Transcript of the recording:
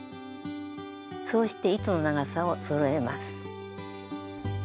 そうして糸の長さをそろえます。